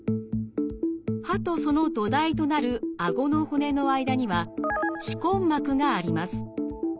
歯とその土台となるあごの骨の間には歯根膜があります。